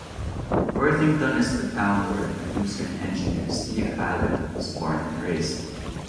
Worthington is the town where producer and engineer Steve Allen was born and raised.